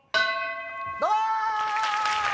どうも！